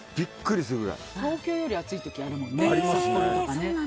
東京より暑い時あるもんね。